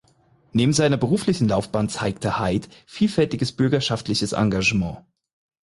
Neben seiner beruflichen Laufbahn zeigte Heyd vielfältiges bürgerschaftliches Engagement.